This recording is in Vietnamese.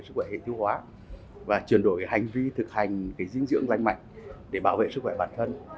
sức khỏe tiêu hóa và chuyển đổi hành vi thực hành cái dinh dưỡng lanh mạnh để bảo vệ sức khỏe bản